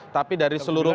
tapi dari seluruh